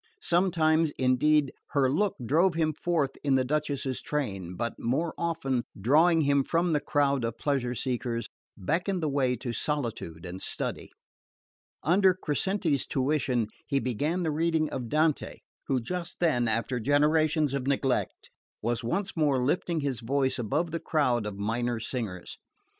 Sometimes, indeed, her look drove him forth in the Duchess's train, but more often, drawing him from the crowd of pleasure seekers, beckoned the way to solitude and study. Under Crescenti's tuition he began the reading of Dante, who just then, after generations of neglect, was once more lifting his voice above the crowd of minor singers.